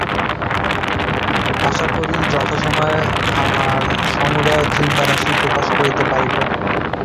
আশা করি, যথাসময়ে আমার সমুদয় চিন্তারাশি প্রকাশ করিতে পারিব।